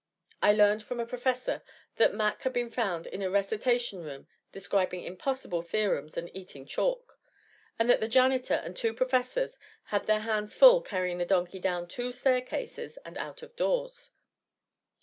I learned from a professor that Mac had been found in a recitation room describing impossible theorems and eating chalk, and that the janitor and two professors had their hands full carrying the donkey down two staircases and out of doors.